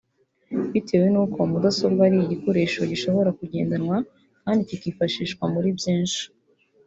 Bitewe n’uko mudasobwa ari igikoresho kishobora kugendanwa kandi kikifashishwa muri byinshi